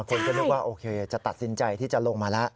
คนก็นึกว่าโอเคจะตัดสินใจที่จะลงมาแล้ว